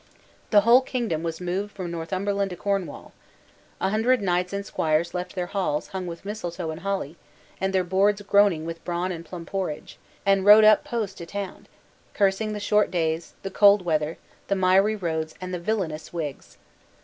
The whole kingdom was moved from Northumberland to Cornwall. A hundred knights and squires left their halls hung with mistletoe and holly, and their boards groaning with brawn and plum porridge, and rode up post to town, cursing the short days, the cold weather, the miry roads and the villanous Whigs.